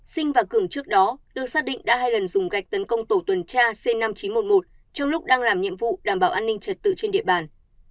sinh và cường trước đó được xác định đã hai lần dùng gạch tấn công tổ tuần tra c năm nghìn chín trăm một mươi một trong lúc đang làm nhiệm vụ đảm bảo an ninh trật tự trên địa bàn